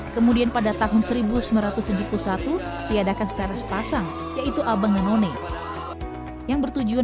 kemudian pada tahun seribu sembilan ratus tujuh puluh satu diadakan secara sepasang yaitu abang none yang bertujuan